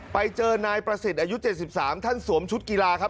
ไปเจอนายประสิทธิ์อายุ๗๓ท่านสวมชุดกีฬาครับ